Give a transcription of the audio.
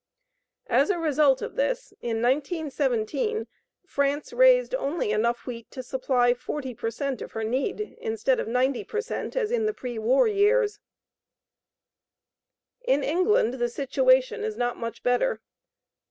As a result of this, in 1917 France raised only enough wheat to supply 40 per cent of her need, instead of 90 per cent, as in pre war years. In England the situation is not much better.